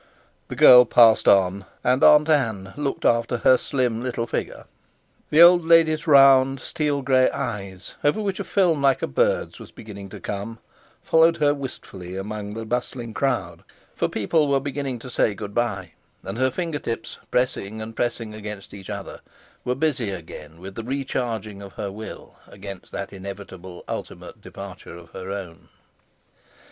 The girl passed on, and Aunt Ann looked after her slim little figure. The old lady's round, steel grey eyes, over which a film like a bird's was beginning to come, followed her wistfully amongst the bustling crowd, for people were beginning to say good bye; and her finger tips, pressing and pressing against each other, were busy again with the recharging of her will against that inevitable ultimate departure of her own.